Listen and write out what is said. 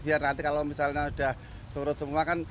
biar nanti kalau misalnya sudah surut semua kan